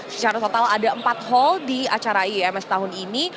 secara total ada empat hall di acara iims tahun ini